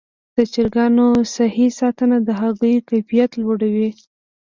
د چرګانو صحي ساتنه د هګیو کیفیت لوړوي.